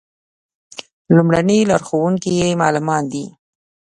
لومړني لارښوونکي یې معلمان دي.